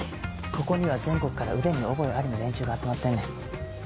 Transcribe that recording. ここには全国から腕に覚えありの連中が集まってんねん。